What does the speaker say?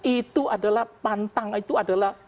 itu adalah pantang itu adalah